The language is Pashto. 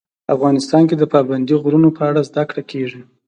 افغانستان کې د پابندي غرونو په اړه زده کړه کېږي.